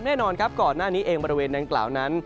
แน่นอนครับก่อนหน้านี้เองบริเวณดังกล่าวนั้น